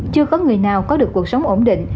chưa có người nào có được cuộc sống ổn định